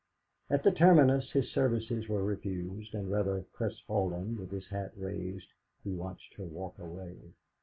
At the terminus his services were refused, and rather crestfallen, with his hat raised, he watched her walk away.